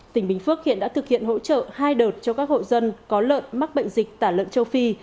tỉnh bình phước hiện đã thực hiện hỗ trợ hai đợt cho các hộ dân có lợn mắc bệnh dịch tả lợn châu phi